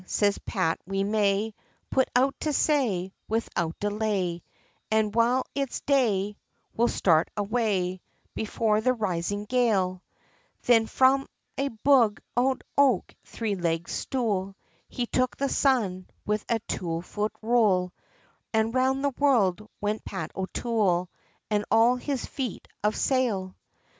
siz Pat, "We may Put out to say, Without delay, An' while its day, We'll start away, Before the rising gale," Thin from a bog oak, three legg'd stool, He took the sun, with a two foot rule, An' round the world, went Pat O'Toole, An' all his fleet of sail!